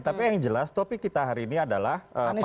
tapi yang jelas topik kita hari ini adalah